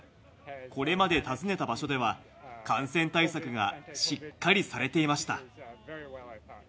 これまで訪ねた場所では、感染対策がしっかりされていました。